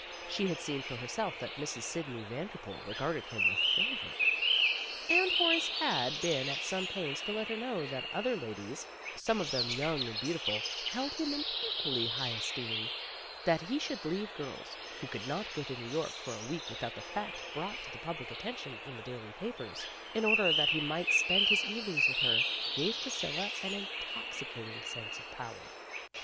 She had seen for herself that Mrs. Sidney Vander pool regarded him with favor, and Horace had PEGGY RAYMOND'S WAY been at some pains to let her know that other ladies, some of them young and beautiful, held him in equally high esteem. That he should leave girls, who could not go to New York for a week without the fact brought to the public at tention in the daily papers, in order that he might spend his evenings with her, gave Priscilla an intoxicating sense of power.